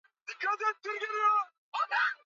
Amka sasa